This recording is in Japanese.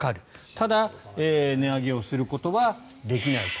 ただ、値上げをすることはできないと。